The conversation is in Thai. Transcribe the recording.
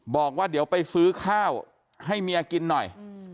บอกว่าเดี๋ยวไปซื้อข้าวให้เมียกินหน่อย